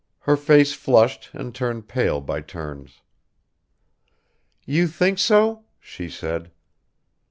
Her face flushed and turned pale by turns. "You think so?" she said.